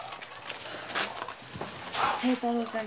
清太郎さん